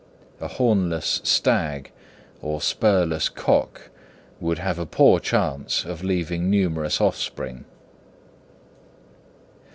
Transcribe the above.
A hornless stag or spurless cock would have a poor chance of leaving numerous offspring.